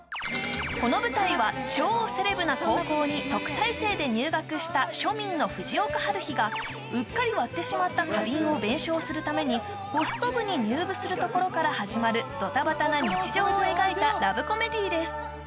この舞台は超セレブな高校に特待生で入学した庶民の藤岡ハルヒがうっかり割ってしまった花瓶を弁償するためにホスト部に入部するところから始まるドタバタな日常を描いたラブコメディーです